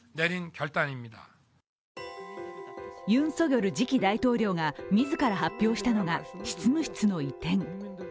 ユン・ソギョル次期大統領が自ら発表したのが執務室の移転。